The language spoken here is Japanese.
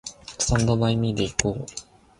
スタンドバイミーで行こう